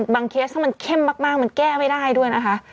เคสถ้ามันเข้มมากมันแก้ไม่ได้ด้วยนะคะ